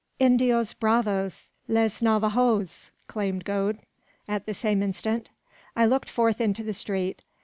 "Indios bravos! les Navajoes!" exclaimed Gode, at the same instant. I looked forth into the street.